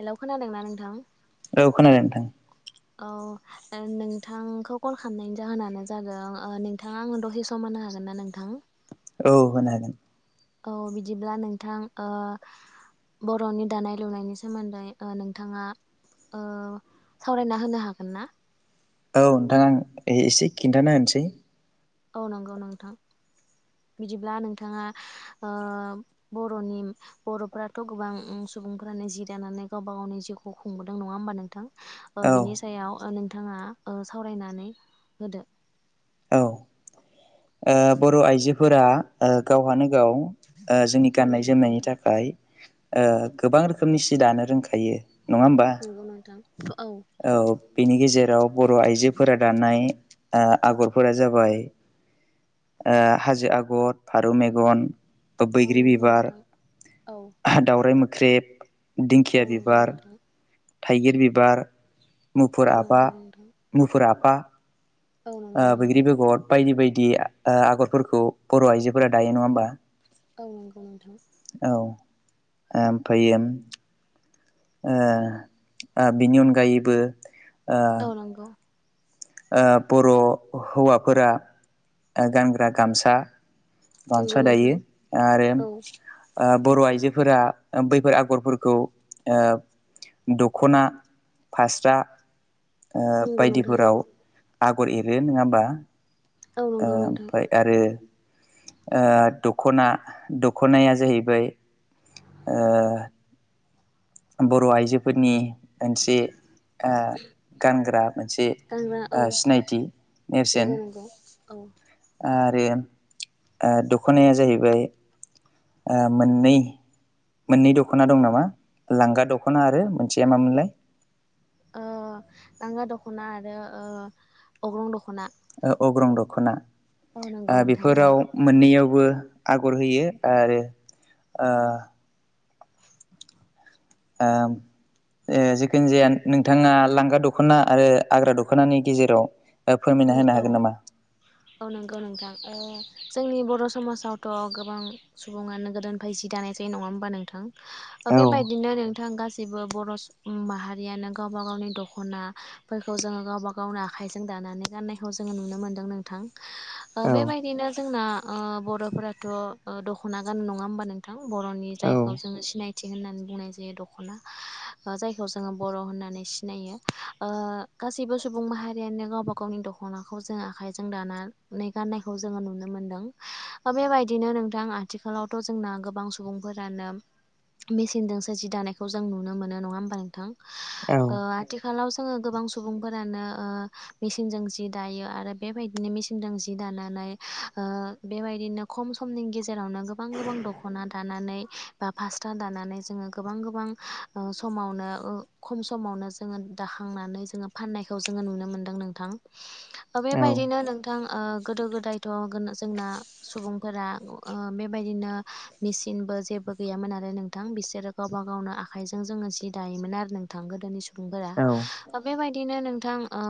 Hello खोनादों ना नोंथां? ओ खोनादों नोंथां औ नोंथांखौ कल खालामनायनि जाहोनानो जादों ओ नोंथाङा आंनो दसे सम सम होनो हागोन ना नोंथां? औ, होनो हागोन। औ, बिदिब्ला नोंथां ओ बर'नि दानाय लुनायनि सोमोन्दै ओ नोंथाङा ओ सावरायना होनो हागोन ना? औ, नोंथां आं ए-एसे खिन्थाना होनसै। औ, नंगौ नोंथां। बिदिब्ला नोंथाङा ओ बर'नि बर'फ्राथ' गोबां उम सुबुंफ्रानो जि दानानै गावबा गावनि जिउखौ खुंबोदों नङा होमबा नोंथां? ओ औ बिनि सायाव ओ नोंथाङा ओ सावरायनानै होदो। औ, ओ बर' आइजोफोरा ओ गावहानो गाव ओ जोंनि औ गाननाय नंगौ जोमनायनि नोंथां थाखाय ओ, गोबां रोखोमनि सि दानो रोंखायो नङा होमबा? नंगौ नोंथां, औ। औ, बिनि गेजेराव बर' आइजोफोरा दानाय ओ आगरफोरा जाबाय ओ हाजो आगर, फारौ मेगन ओ औ बैग्रि नंगौ बिबार, नोंथां औ दावराइ मोख्रेब, औ दिंखिया नंगौ बिबार नोंथां थाइगिर बिबार, मुफुर औ आफा, नंगौ नोंथां मुफुर आफा औ ओ नंगौ नंगौ बैग्रि बेगर बायदि बायदि ओ आगरफोरखौ बर' आइजोफोरा दायो नङा होमबा? औ, नंगौ नोंथां। औ, ओमफायोन ओ ओ बिनि अनगायैबो ओ औ, नंगौ। ओ बर' हौवाफोरा ओ गानग्रा गामसा नंगौ गामसा नोंथां दायो आरो औ ओ बर' आइजोफोरा ओ बैफोर आगरफोरखौ ओ दख'ना, फास्रा ओ नंगौ नोंथां बायदिफोराव आगर एरो नङा होमबा? औ ओ नंगौ नोंथां ओमफाय आरो ओ दख'ना दख'नाया जाहैबाय ओ बर' आइजोफोरनि मोनसे ओ गानग्रा मोनसे गानग्रा औ ओ सिनायथि नंगौ नेरसोन। नंगौ औ। आरो ओ दखोनाया जाहैबाय ओ मोन्नै मोन्नै दखोना दं नामा लांगा दख'ना आरो मोनसेया मा मोनलाय? ओ लांगा दख'ना आरो ओ अग्रं दख'ना। ओ अग्रं दख'ना। औ नंगौ ओ नोंथां औ बिफोराव मोन्नैयावबो आगर होयो आरो ओ ओ ओ जिखुनजाया नोंथाङा लांगा दखोना आरो आग्रा दखोनानि गेजेराव ओ फोरमायना उम होनो औ। हागोन नामा? औ नंगौ नोंथां। ओ जोंनि बर' समाजावथ' गोबां सुबुङानो गोदोनिफ्राय जि दानाय जायो नङा होमबा नोंथां? ओ औ बेबायदिनो नों थां गासिबो बर' स्-माहारियानो गावबा गावनि दख'नाफोरखौ जोङो गावबा गावनो आखाइजों दानानै गाननायखौ जोङो नुनो मोन्दों नोंथां। ओ औ बेबायदिनो जोंना ओ बर'फोराथ' ओ दख'ना गानो नङा होमबा नोंथां बर'नि जायखौ जोङो सिनाय थि होननानै बुंनाय जायो दख'ना ओ जायखौ जोङो बर' होननानै सिनायो। ओ गासैबो सुबुं माहारियानो गावबा गावनि दख'नाखौ जोङो आखाइजों दानानै गाननायखौ जोङो नुनो मोनदों हा बेबायदिनो नोंथां आथिखालावथ' जोंना गोबां सुबुंफोरानो मेसिनजोंसो जि दानायखौ जों नुनो मोनो नङा होमबा नोंथां औ ओ थिखालाव जोङो गोबां सुबुंफोरानो ओ मेसिनजों जि दायो आरो बेबायदिनो मेसिनजों जि दानानै ओ बेबायदिनो खम समनि गेजेरावनो गोबां गोबां दख'ना दानानै बा फास था दानानै जोङो गोबां गोबां ओ समावनो ओ खम समावनो जोङो दाखांनानै जोङो फाननायखौ जोङो नुनो मोनदों नोंथां। औ बेबायदिनो नोंथां ओ गोदो गोदायथ' गोन जोंना सुबुंफोरा ओ बेबायदिनो मेचनबो जेबो गैयामोन आरो नोंथां बिसोरो गावबा गावनो आखायजों जोङो जि दायोमोन आरो नों नोंथां गोदोनि सुबुंफोरा औ बेबायदिनो नोंथां ओ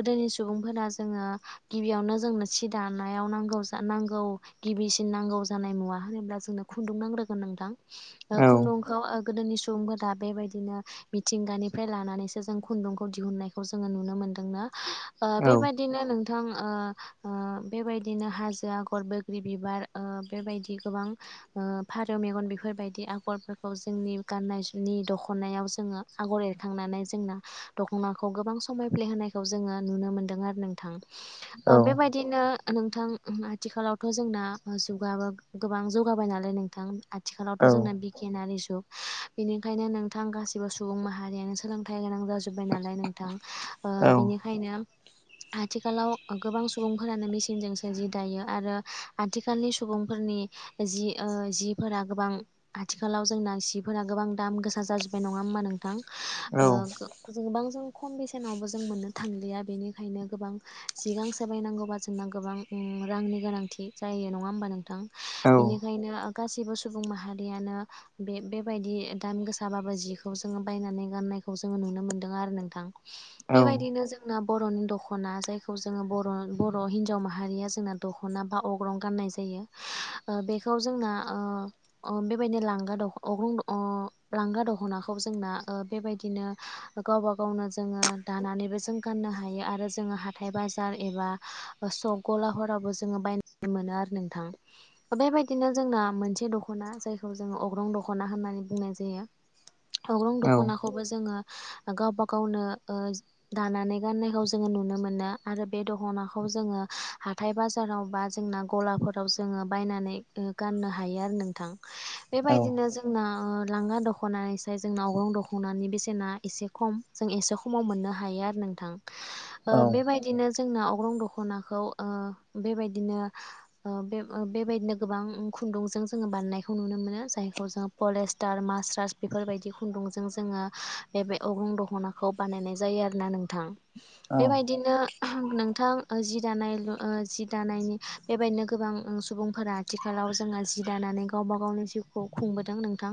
गोदोनि सुबुंफोरा जोङो गिबियावनो जोंनो सि दानायाव नांगौ जा नांगौ गिबिसिन नांगौ जानाय मुवा होनोब्ला जोंनो खुन्दुं नांग्रोगोन नोंथां। ओ खुन्दुंखौ ओ गोदोनि सुबुंफोरा बेबायदिनो मिथिंगानिफ्राय लानानैसो जों खुन्दुंखौ दिहुननायखौ जोङो नुनो मोन्दों ना? ओ बेबायदिनो नोंथां ओ ओ बेबायदिनो हाजो आगर बैग्रि बिबार ओ बेबायदि गोबां ओ फारौ मेगन बेफोरबायदि आगरफोरखौ जोंनि गाननायनायनि दख'नायाव जोङो आगर एरखांनानै जोंना दख'नाखौ गोबां समायफ्लेहोनाय खौ जोङो नुनो मोन्दों आरो नोंथां। ओ बेबायदिनो नोंथां आथिखालावथ' जोंना जुगाबो गोबां जौगाबाय नालाय नोंथां आथिखालावथ' जोंना बिगियानारि जुग बेनिखायनो नों नोंथां गासिबो सुबुं माहारियानो सोलोंथाइ गोनां जाजोबबाय नालाय नोंथां ओ बेनिखायनो आथिखालाव गोबां सुबुंफोरानो मेसिनजोंसो जि दायो आरो आथिखालनि सुबुंफोरनि जि ओ जिफोरा गोबां आथिखालाव जोंना जिफोरा गोबां दाम गोसा जाजोबबाय नङा होमबा नोंथां ओ जोंबां जों खम बेसेनावबो जों मोनो। थांलिया बेनिखायनो गोबां सिगांसो बायनांगौबा जोंना गोबां रांनि गोनांथि। जायो नङा होमबा नोंथां औ बेनिखायनो गासैबो सुबुं माहारियानो बे बेबायदि दाम गोसाबाबो जिखौ जोङो बायनानै गाननायखौ जोङो नुनो मोनदों आरो नोंथां। बेबायदिनो जोंना बर'नि दख'ना जायखौ जोङो बर' बर' हिनजाव माहारिया जोंना दख' दखना बा अग्रं गाननाय जायो ओ बेखौ जोंना ओ अ' बेबायदि लांगा दख' अग्रं अ' लांगा दख'नाखौ जोंना ओ बेबायदिनो गावबा गावनो जोङो दानानैबो जों गाननो हायो आरो जोङो हाथाय बाजार एबा ओ सक गलाफोरावबो जोङो बाय मोनो आरो नोंथां। बेबायदिनो जोंना मोनसे दख'ना जायखौ जोङो अग्रं दख'ना होननानै बुंनाय जायो। अग्रं दख'नाखौबो जोङो गावबा गावनो ओ दानानै गाननायखौ जोङो नुनो मोना आरो बे दखनाखौ जोङो हाथाय बाजाराव बा जोंना गलाफोर खौ जोङो बायनानै गाननो हायो आरो नोंथां बेबायदिनो जोंना लांगा दखना दख'नानैसाय जोंनाव अग्रं दख'नि बेसेना एसे खम जों एसे खमाव मोननो हायो आरो नोंथां। ओ बेबायदिनो जोंना अग्रं दख'नाखौ ओ बेबायदिनो ओ बे बेबायदिनो गोबां खुन्दुंजों जोङो बानायनायखौ नुनो मोनो जायखौ जोङो पलेस्टार मासस्रास बेफोरबायदि खुन्दुंजों जोङो बे बे अग्रां दख'ना खौ बानायनाय जायो आरोना नोंथां बेबायदिनो नोंथां ओ जि दानाय ओ जि दानायनि बेबायदिनो गोबां सुबुंफोरा आथिखालाव जोङो जि दानानै गावबा गावनि जिउखौ खुंबोदों नोंथां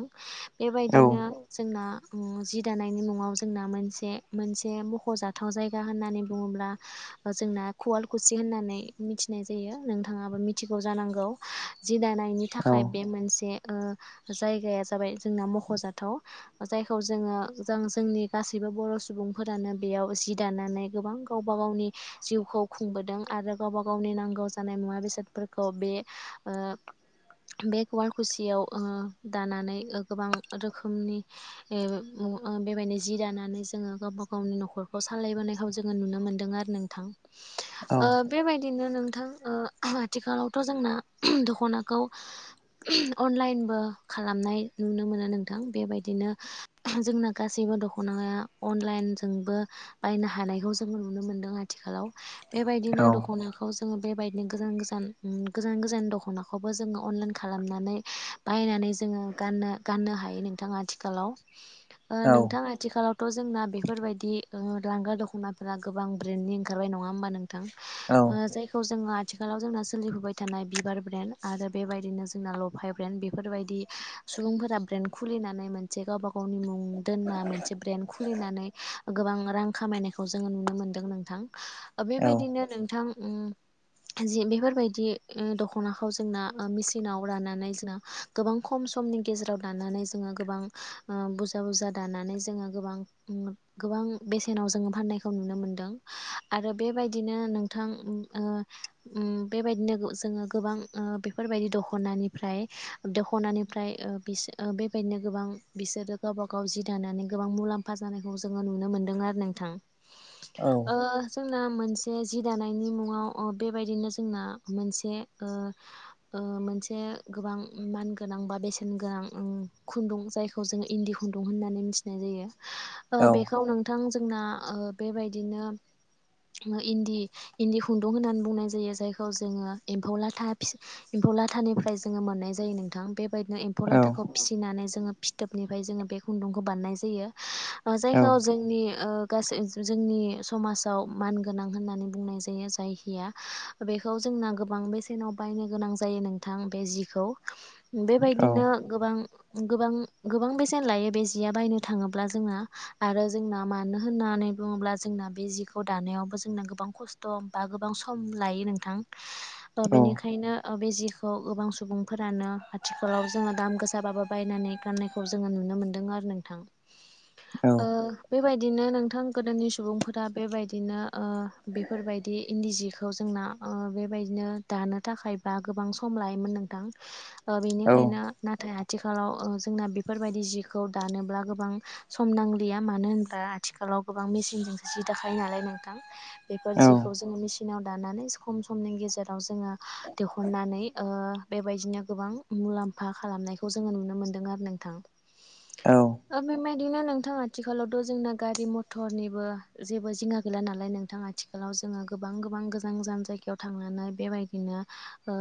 बेबायदिनो जोंना उम जि दानायनि न'आव जोंना मोनसे मोनसे मख'जाथाव थाव जायगा होननानै बुङोब्ला जोंना कुवालकुसि होननानै मिथिनाय जायो नोंथाङाबो मि मिथिगौ जानांगौ जि दानायनि थाखाय बे मोनसे ओ जायगाया जाबाय जोंना मख'जाथाव। जायखौ जोङो जों जोंनि गासैबो बर' सुबुंफोरानो बेयाव जि दानानै गोबां गावबा गावनि जिउखौ खुंबोदों आरो गावबा गावनि नांगौ जानाय मुवा बेसाद फोरखौ बे ओ बे कुवालकुसियाव ओ दानानै गोबां रोखोमनि ए बो ओ बेबायदिनो जि दानानै जोङो गावबा गावनि न'खर सालायबोनायखौ जोङो नुनो मोन्दों आरो नोंथां ओ बेबायदिनो नोंथां ओ आथिखालावथ' जोंना दख'नाखौ अनलाइनबो खालामनाय नुनो मोनो नोंथां बेबायदिनो जोंना गासैबो दखनाया अनलाइनजोंबो बायनो हानायखौ जों नुनो मोनदों आथिखालाव बेबायदिनो दखना खौ जोंङो बेबायदिनो गोजान गोजान गोजान गोजान दखनाखौबो जोङो अनलाइन खालामनानै बायनानै जोङो गाननो गाननो हायो नोंथां आथिखालाव ओ नोंथां आथिखालावथ जोंना बेफोरबायदि [unintelligible] लांग्रा दखनाफोरा गोबां ब्रेन्डनि ओंखारबाय नङा होमबा नोंथां जायखौ जोङो आथिखालाव जोंना सोलिफुबाय थानाय बिबार ब्रेन्ड आरो बेबायदिनो जोंना लफाय ब्रेन्ड बेफोरबायदि सुबुंफोरा ब्रेन्ड खुलिनानै मोनसे गावबा गावनि मुं दोनना मोनसे ब्रेन्ड खुलिनानै गोबां रां खामायनायखौ जोङो नुनो मोनदों नोंथां बेबायदिनो नोंथां ओं जि बेफोरबायदि दखनाखौ जोंना मेसिनाव राननानै जोंना गोबां खम समनि गेजेराव दानानै जोङो गोबां ओ बुरजा बुरजा दानानै जोङो गोबां ओ गोबां बेसेनाव जोङो फान्नायखौ नुनो मोनदों आरो बेबायदिनो नोंथां ओ ओम बेबायदिनो गो जोङो गोबां ओ बेफोरबायदि दखनानिफ्राय दखनानिफ्राय ओ बिस ओ बेबायदिनो गोबां बिसोरो गावबा गाव जि दानानै गोबां मुलाम्फा जानायखौ जोंङो नुनो मोनदों आरो नोंथां ओ जोंना मोनसे जि दानायनि मुङाव ओ बेबायदिनो जोंना मोनसे ओ ओ मोनसे गोबां मानगोनां बा बेसेन गोनां खुन्दुं जाय खौ जोंङो इन्दि खुन्दुं होननानै मिथिनाय जायो ओ बेखौ नों नोंथां जोंना ओ बेबायदिनो इन्दि इन्दि खुन्दुं होननानै बुंनाय जायो जायखौ जोङो एम्फौ लाथा फि एम्फौ लाथानिफ्राय जोङो मोननाय जायो नोंथां बे बेबायदिनो एम्फौ लाथाखौ फिसिनानै जोङो फिथोबनिफ्राय जोङो बे खुन्दुंखौ बान्नाय जायो जायखौ जोंनि ओ गासै जोंनि समाजाव मानगोनां होननानै बुंनाय जायो जाय या बेखौ जोंना गोबां बेसेनाव बायनो गोनां जायो नोंथां बे जिखौ बेबायदिनो गोबां गोबां गोबां बेसेन लायो बे जिया बायनो थाङोब्ला जोङो आरो जोंना मानो होननानै बुङोब्ला जोंना बे जिखौ दानायावबो जोंना गोबां खस्थ दम बा गोबां सम लायो नोंथां ओ बेनिखायनो ओ बे जि खौ गोबां सुबुंफोरानो आथिखालाव जोङो दाम गोसाबाबो बायनानै गाननायखौ जोङो नुनो मोन्दों आरो नोंथां ओ बेबायदिनो नोंथां गोदोनि सुबुंफोरा बेबायदिनो ओ बेफोरबायदि इन्दि जि खौ जोंना ओ बेबायदिनो दानो थाखायबा गोबां सम लायोमोन नोंथां ओ बेनिखायनो नाथाय आथिखालाव ओ जोंना बेफोरबायदि जिखौ दानोब्ला गोबां सम नां गैया मानो होनब्ला आथिखालाव गोबां मेसिनजोंसो जि दाखायो नालाय नोंथां बेफोर जिखौ जोङो मेसिनाव दानानै खम समनि गेजेराव जोङो दिहुननानै ओ बेबायदिनो गोबां मुलाम्फा खालामनायखौ जोङो नुनो मोन्दों आरो नोंथां ओ बेबायदिनो नोंथांङा आथिखालावथ जोंना गारि मथरनिबो जेबो जिंगा गैला नालाय नोंथां आथिखालाव जोङो गोबां गोबां गोजान गोजान जायगायाव थांनानै बेबायदिनो ओ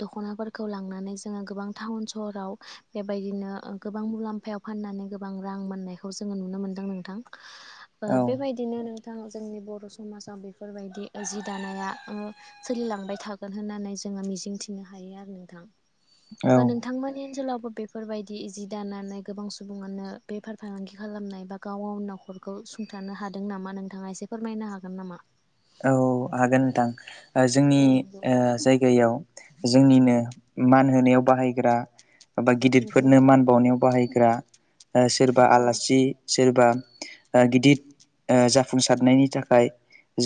दखनाफोरखौ लांनानै जोङो गोबां टाउन सहराव बेबायदिनो गोबां मुलाम्फायाव फाननानै गोबां रां मोननायखौ जोंङो नुनो मोनदों नोंथां ओ बेबायदि बिदिनो नोंथां जोंनि बर समाजाव बेफोरबायदि जि दानाया ओ सोलिलांबाय थागोन होननानै जोङो मिजिंथिनो हायो आरो औ नोंथां नोंथांमोननि ओनसोलावबो बेफोरबायदि जि दानानै गोबां सुबुङानो बेफार फालांगि खालामनाय बा गाव गावनि नखरखौ सुंथानो हादों नामा नोंथाङा एसे फोरमायनो हागोन नामा औ हागोन नोंथां ओ जोंनि औ नंगौ ओ जायगायाव जोंनिनो मान होनायाव बाहायग्रा बा नंगौ गिदिरफोरनो नोंथां मान बावनायाव बाहायग्रा ओ सोरबा औ आलासि सोरबा ओ गिदिर ओ जाफुंसारनायनि थाखाय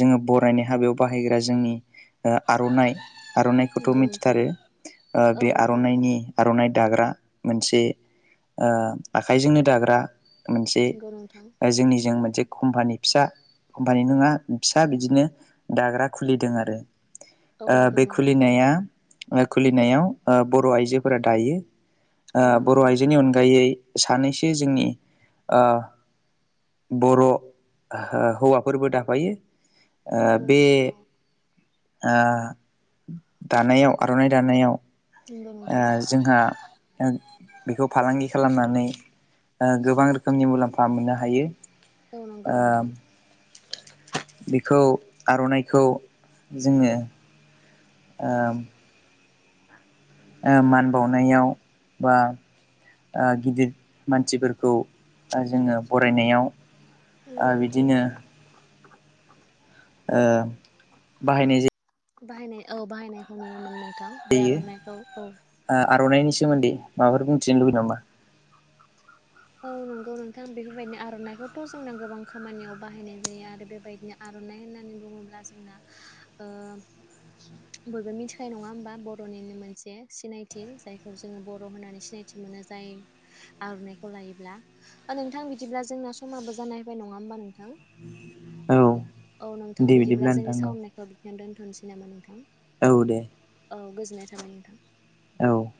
जोङो बरायनाय हाबायाव बाहायग्रा जोंनि ओ आर'नाइ आर'नाइखौथ' नंगौ नोंथां मिथिथारो औ बे नंगौ आर'नाइनि नोंथां आर'नाइ दाग्रा मोनसे ओ आखाइजोंनो दाग्रा मोनसे नंगौ नोंथां जोंनिजों मोनसे कम्पानि फिसा कम्पानि नङा फिसा बिदिनो दाग्रा खुलिदों आरो औ ओ नंगौ बे नोंथां औ खुलिनाया आ खुलिनायाव ओ बर' आइजोफोरा दायो ओ औ नंगौ बर' आइजोनि नोंथां अनगायै सानैसो जोंनि ओ बर' हौवाफोरबो दाफायो आ नंगौ बे नोंथां औ आ दानायाव आर'नाइ दानायाव नंगौ नोंथां जोंहा आं बेखौ फालांगि खालामनानै ओ गोबां रोखोमनि मुलाम्फा मोननो हायो औ नांगौ ओ नोंथां बेखौ आर'नाइखौ जोङो ओ ओ मान बावनायाव बा आं गिदिर मानसिफोरखौ जोङो बरायनायाव आ नंगौ नोंथां बिदिनो ओ बाहायनाय जाय बाहायनाय औ बाहायनायखौ नु मोननायथां बे जायो आर'नाइखौ औ ओ आर'नाइनि सोमोन्दै माबाफोर बुंथिनो लुबैयो नामा? औ नंगौ नोंथां बेफोरबायदि आर'नाइखौथ' जोंना गोबां खामानियाव बाहायनाय जायो आरो बेबायदिनो आर'नाइ होननानै बुङोब्ला जोंना ओ बयबो मिथिखानाय नङा होमबा बर'निनो मोनसे सिनायथि जायखौ जोङो बर' होननानै सिनायथि मोनो जाय आर'नाइखौ लायोब्ला नोंथां बिदिब्ला जोंना समाबो जानाय फैबाय नङा होमबा नोंथां औ औ नोंथां दे बिदिब्ला जोंनि नोंथां सावनायखौ बिथियावनो दोनथ'नोसै नामा? नोंथां औ औ दे औ गोजोननाय थाबाय नोंथां औ